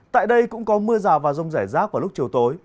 tại đây cũng có mưa rào và rông rải rác vào lúc chiều tối